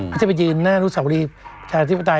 ไม่ใช่ไปยืนหน้านู่สวรีประชาชนาธิปไตย